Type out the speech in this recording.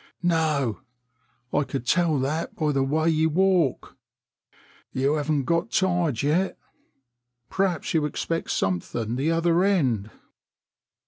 "No, I could tell that by the way you walk. You haven't got tired yet. Perhaps you expect something the other end?"